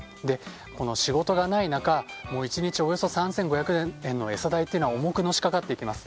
この仕事がない中１日およそ３５００円の餌代というのは重くのしかかってきます。